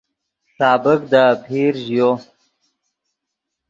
ݰابیک دے آپیر ژیو